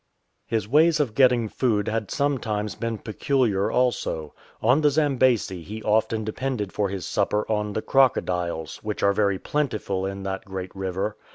"*' His ways of getting food had sometimes been peculiar also. On the Zambesi he often depended for his supper on the crocodiles, which are very plentiful in that great river.